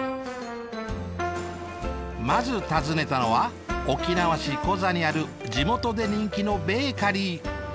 まず訪ねたのは沖縄市コザにある地元で人気のベーカリー。